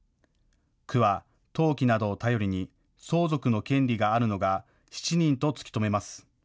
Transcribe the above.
区は登記などを頼りに相続の権利があるのが７人と突き止めます。